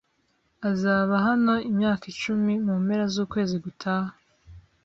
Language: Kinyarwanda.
Azaba hano imyaka icumi mu mpera zukwezi gutaha